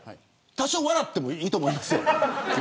多少笑ってもいいと思いますよ